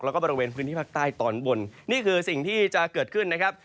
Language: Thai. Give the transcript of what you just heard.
แล้วก็บริเวณพื้นที่ภาคใต้ตอนบนนี่คือสิ่งที่จะเกิดขึ้นนะครับ